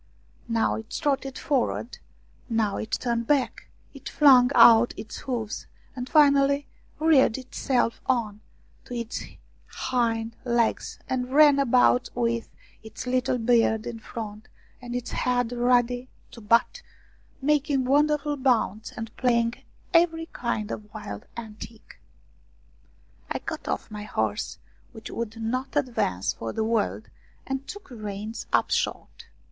Now it trotted forward, now it turned back, it flung out its hooves, and finally reared itself on to its hind legs and ran about with its little beard in front, and its head ready to butt, making wonderful bounds and playing every kind of wild antic. I got oflF my horse, which would not advance for the world, and took the reins up short.